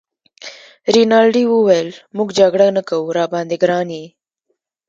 رینالډي وویل: موږ جګړه نه کوو، راباندي ګران يې.